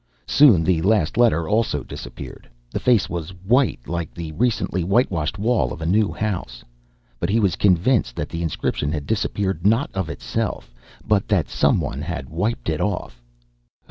Soon the last letter also disappeared the face was white like the recently whitewashed wall of a new house. But he was convinced that the inscription had disappeared not of itself, but that some one had wiped it off.